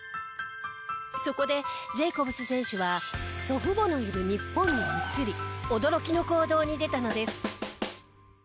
そこでジェイコブス選手は祖父母のいる日本に移り驚きの行動に出たのです。